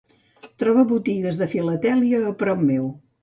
Troba botigues de filatèlia a prop meu.